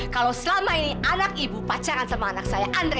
kalau selama ini anak ibu pacaran sama anak saya andre